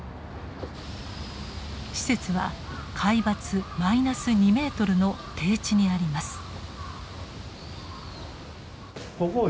施設は海抜マイナス２ｍの低地にあります。